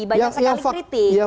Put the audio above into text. banyak sekali kritik